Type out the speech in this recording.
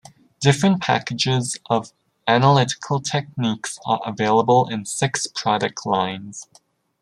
Different packages of analytical techniques are available in six product lines.